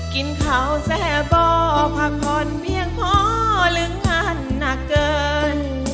กินข้าวแซ่บอพักผ่อนเพียงพอลืมงานหนักเกิน